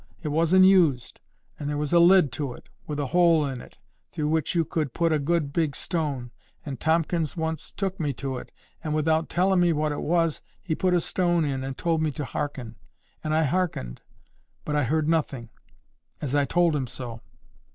It wasn't used, and there was a lid to it, with a hole in it, through which you could put a good big stone. And Tomkins once took me to it, and, without tellin' me what it was, he put a stone in, and told me to hearken. And I hearkened, but I heard nothing,—as I told him so.